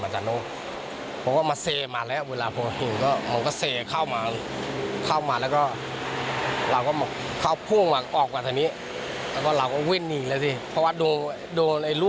จริงกับบินแฟนนั่นก็ไม่อยากให้ผิดและไม่ต้องเห็นว่าทำไมเราต้องหินไฟ